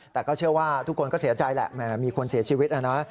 แต่ก็เชื่อว่าทุกคนก็เสียใจแหละแหมมีคนเสียชีวิตนะนะ